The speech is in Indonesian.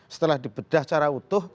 setelah dibedah secara utuh